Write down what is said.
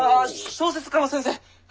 小説家の先生。